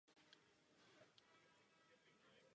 Ve skutečnosti by mohlo jít o stovky milionů dolarů.